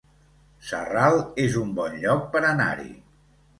Sarral es un bon lloc per anar-hi